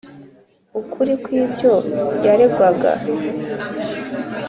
ukuri kw' ibyo yaregwaga.